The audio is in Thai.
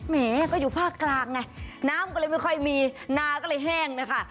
แหมก็อยู่ภาคกลางไงน้ำก็เลยไม่ค่อยมีนาก็เลยแห้งนะคะ